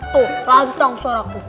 tuh lantang suaraku